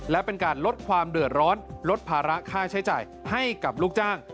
และเป็นการลดความเดือดร้อนลดภาระค่าใช้จ่ายให้กับลูกจ้าง